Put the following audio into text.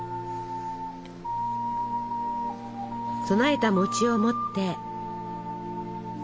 供えたを持って。